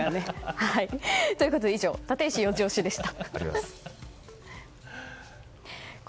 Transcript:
ということで以上タテイシ４時推しでした。